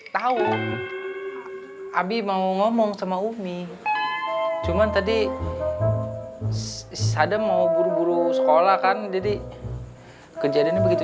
tahu abi mau ngomong sama umi cuman tadi sadem mau buru buru sekolah kan jadi kejadiannya begitu